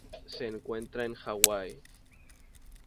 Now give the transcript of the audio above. Se encuentran en Hawái.